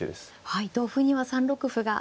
はい同歩には３六歩が。